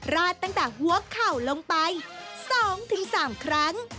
ราดตั้งแต่หัวเข่าลงไป๒๓ครั้ง